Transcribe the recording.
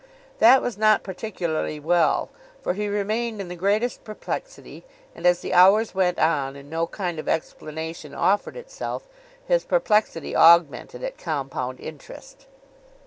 That was not particularly well; for he remained in the greatest perplexity, and, as the hours went on, and no kind of explanation offered itself, his perplexity augmented at compound interest.